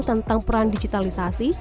tentang peran digitalisasi